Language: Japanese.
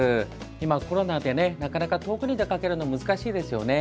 今コロナで遠くに出かけるのは難しいですよね。